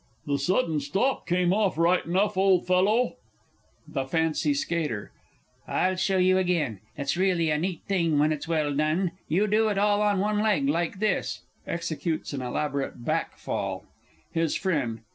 The sudden stop came off right enough, old fellow! THE F. S. I'll show you again it's really a neat thing when it's well done; you do it all on one leg, like this [Executes an elaborate back fall. HIS FRIEND.